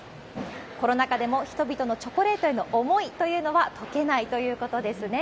コロナ禍でも人々のチョコレートへの思いというのは溶けないということですね。